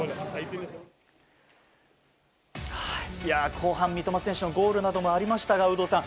後半、三笘選手のゴールなどもありましたが有働さん